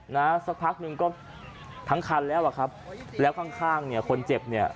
นะสักพักหนึ่งก็ทั้งคันแล้วอ่ะครับแล้วข้างข้างเนี่ยคนเจ็บเนี่ย